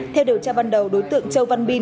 theo điều tra ban đầu đối tượng châu văn biên